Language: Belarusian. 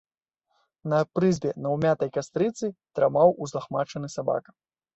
На прызбе, на ўмятай кастрыцы, драмаў узлахмачаны сабака.